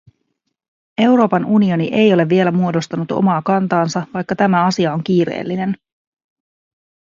Euroopan unioni ei ole vielä muodostanut omaa kantaansa, vaikka tämä asia on kiireellinen.